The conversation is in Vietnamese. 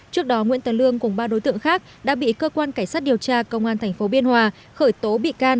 trước đó nguyễn tấn lương cùng ba đối tượng khác đã bị cơ quan cảnh sát điều tra công an tp biên hòa